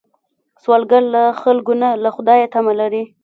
سوالګر له خلکو نه، له خدایه تمه لري